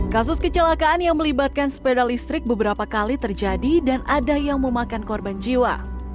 kasus kecelakaan yang melibatkan sepeda listrik beberapa kali terjadi dan ada yang memakan korban jiwa